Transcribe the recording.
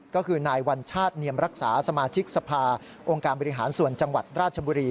ก็คือนายวัญชาติเนียมรักษาสมาชิกสภาองค์การบริหารส่วนจังหวัดราชบุรี